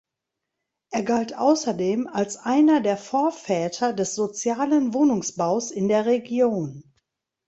Er galt außerdem als einer der Vorväter des Sozialen Wohnungsbaus in der Region.